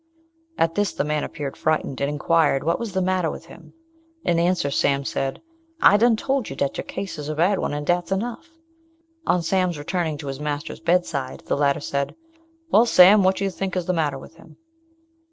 At this the man appeared frightened, and inquired what was the matter with him: in answer, Sam said, "I done told you dat your case is a bad one, and dat's enough." On Sam's returning to his master's bedside, the latter said, "Well, Sam, what do you think is the matter with him?"